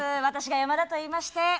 私が山田といいまして。